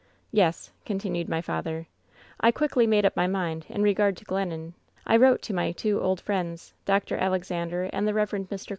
" 'Yes,' continued my father, 'I quickly made up my mind in regard to Glennon. I wrote to my two old friends, Dr. Alexander and the Rev. Mr.